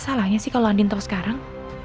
salahnya sih kalau andi tau sekarang